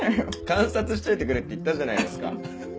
観察しといてくれって言ったじゃないですか。